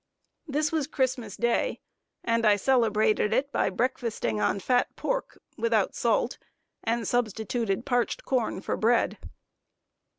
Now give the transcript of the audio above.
This was Christmas day, and I celebrated it by breakfasting on fat pork, without salt, and substituted parched corn for bread.